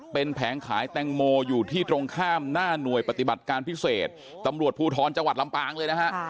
เป็นแผงขายแตงโมอยู่ที่ตรงข้ามหน้าหน่วยปฏิบัติการพิเศษตำรวจภูทรจังหวัดลำปางเลยนะฮะ